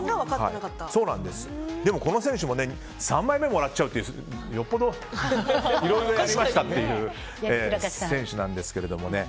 でも、この選手も３枚目をもらっちゃうというよっぽどいろいろやりましたっていう選手ですが。